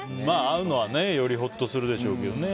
会うのはよりほっとするでしょうけどね。